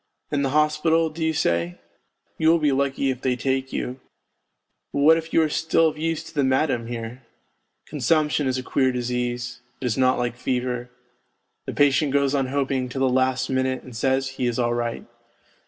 In the hospital, do you say ? You will be lucky if they take you, but what if you are still of use to the madam here ? Consumption is a queer disease, it is not like fever. The patient goes on hoping till the last minute and says he is all right.